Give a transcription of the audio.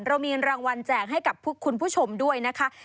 เรามีรางวัลแจกให้กับคุณผู้ชมด้วยนะคะ